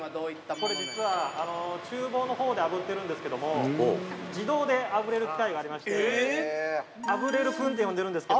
これ実は厨房のほうであぶってるんですけども自動であぶれる機械がありましてあぶれる君って呼んでるんですけど。